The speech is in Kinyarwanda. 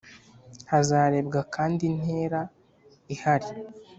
hazarebwa kandi intera ihari